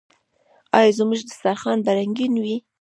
آیا زموږ دسترخان به رنګین وي؟